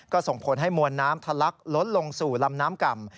ก็ส่งผลให้มวลน้ำทะลักล้นลงสู่ลำน้ำก่ำ